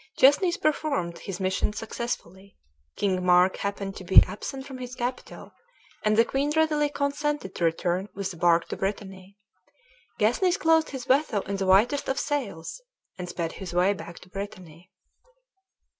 Gesnes performed his mission successfully. King Mark happened to be absent from his capital, and the queen readily consented to return with the bark to Brittany. Gesnes clothed his vessel in the whitest of sails, and sped his way back to Brittany.